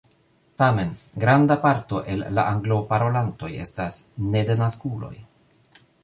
Tamen, granda parto el la Anglo-parolantoj estas ne-denaskuloj.